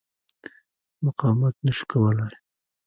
مقاومت نه شو کولای.